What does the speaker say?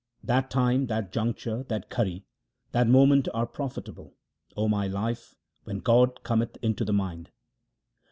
That time, that juncture, that ghari, that moment are profitable, O my life, when my God cometh into the mind.